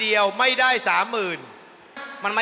หยิบดำหยิบดำหยิบดำ